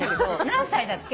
何歳だっけ？